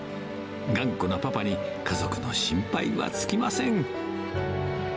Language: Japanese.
頑固なパパに、家族の心配は尽きません。